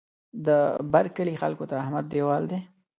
د بر کلي خلکو ته احمد دېوال دی.